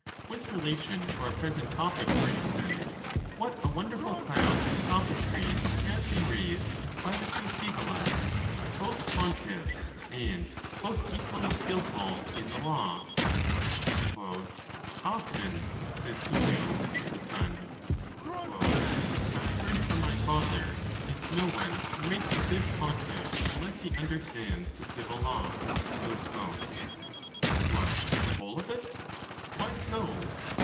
With relation to our present topic, for instance, what a won derful cloud of sophistries has been raised by the two Sezevolas, both pontiffs, and both equally skilful in the law! " Often," says Publius the son, "have I heard from my father, that no one can make a good pontiff, unless he understands the civil law." What, the whole of it? Why so?